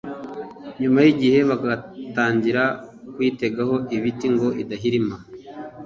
nyuma y’igihe bagatangira kuyitegaho ibiti ngo idahirima